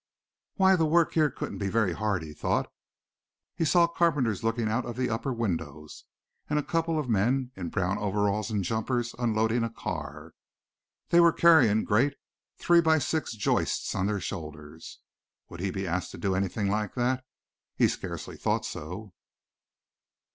"Why, the work here couldn't be very hard," he thought. He saw carpenters looking out of the upper windows, and a couple of men in brown overalls and jumpers unloading a car. They were carrying great three by six joists on their shoulders. Would he be asked to do anything like that. He scarcely thought so.